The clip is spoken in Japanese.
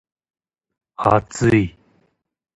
厚い